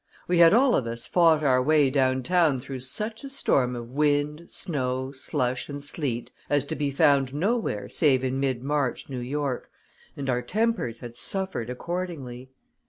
We had all of us fought our way downtown through such a storm of wind, snow, slush, and sleet as is to be found nowhere save in mid March New York, and our tempers had suffered accordingly.